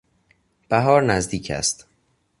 بهار نزدیک است.